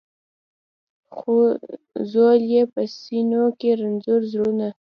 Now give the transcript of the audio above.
خو ځول یې په سینو کي رنځور زړونه